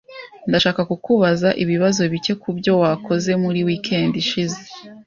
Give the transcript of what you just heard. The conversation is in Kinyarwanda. Ndashaka kukubaza ibibazo bike kubyo wakoze muri weekend ishize.